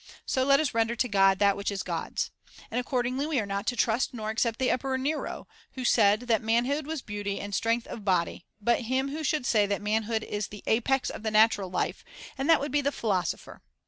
So let us render to God that which is God's. And accordingly we are not to trust nor accept the emperor Nero, who said that fiyo^ manhood was beauty and strength of body, but him who should say that manhood is the apex of the natural life, and that would be the philosopher.